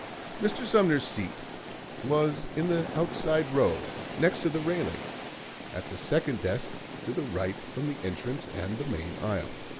Mr. Sumner's seat was in the outside row next to the railing, at the second desk to the right from the entrance and the main aisle.